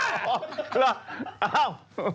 หรือเอ้า